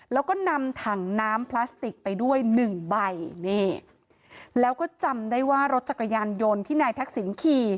แล้วก็นำถังน้ำพลาสติกไปด้วยหนึ่งใบนี่แล้วก็จำได้ว่ารถจักรยานยนต์ที่นายทักษิณขี่